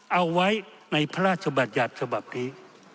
เอาไว้ในพระราชบัญญัติฉบับนี้